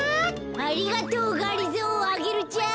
ありがとうがりぞーアゲルちゃん。